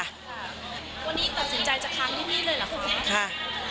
วันนี้ตัดสินใจจะค้างที่นี่เลยเหรอคุณแม่ค่ะ